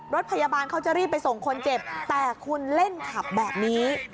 รถพยาบาลเขาจะรีบไปส่งคนเจ็บแต่คุณเล่นขับแบบนี้